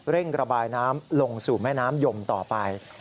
ระบายน้ำลงสู่แม่น้ำยมต่อไป